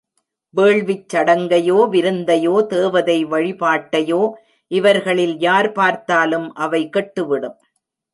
வேள்விச் சடங்கையோ, விருந்தையோ, தேவதை வழிபாட்டையோ இவர்களில் யார் பார்த்தாலும் அவை கெட்டுவிடும்.